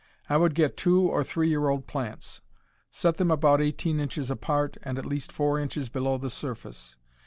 I would get two or three year old plants. Set them about eighteen inches apart and at least four inches below the surface.